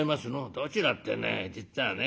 「どちらってね実はね